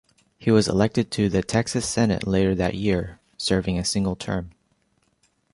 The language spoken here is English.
He was elected to the Texas Senate later that year, serving a single term.